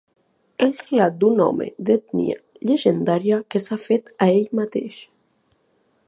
El relat d'un home d'ètnia llegendària que s'ha fet a ell mateix.